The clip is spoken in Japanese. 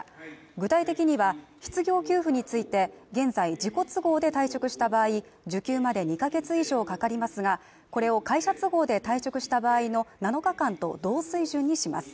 具体的には、失業給付について、現在自己都合で退職した場合、受給まで２ヶ月以上かかりますがこれを会社都合で退職した場合の７日間と同水準にします。